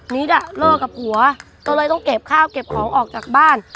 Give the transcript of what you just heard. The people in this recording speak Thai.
นิดอ่ะเลิกกับผัวก็เลยต้องเก็บข้าวเก็บของออกจากบ้าน